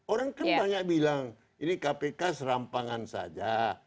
orang kan banyak bilang ini kpk serampangan saja